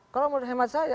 kalau menurut saya